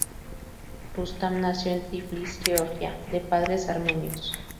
Rustam nació en Tiflis, Georgia, de padres armenios.